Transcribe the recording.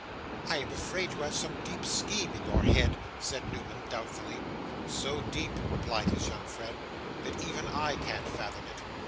'I am afraid you have some deep scheme in your head,' said Newman, doubtfully. 'So deep,' replied his young friend, 'that even I can't fathom it.